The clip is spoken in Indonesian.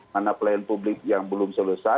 mana pelayan publik yang belum selesai